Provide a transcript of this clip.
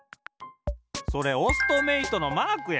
それオストメイトのマークや。